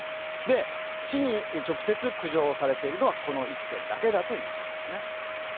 市に直接苦情をされているのはこの１軒だけだということですね。